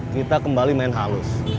kita kembali main halus